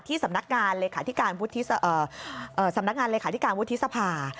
ที่สำนักงานเลยค่ะที่การวุฒิสภา